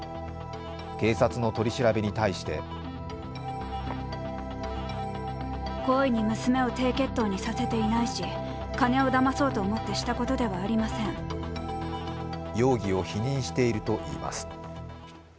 警察の取り調べに対して容疑を否認しているといいます。